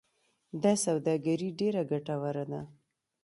دا سوداګري ډیره ګټوره ده.